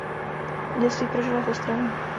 Dětství prožila v Ostravě.